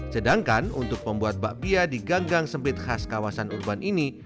sedangkan untuk pembuat bakpia di ganggang sempit khas kawasan urban ini